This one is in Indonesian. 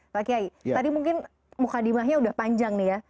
pak kiai tadi mungkin mukadimahnya udah panjang nih ya